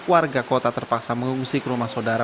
warga kota terpaksa mengungsi ke rumah saudara